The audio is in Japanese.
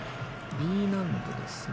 Ｂ難度ですね。